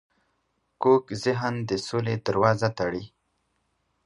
کوږ ذهن د سولې دروازه تړي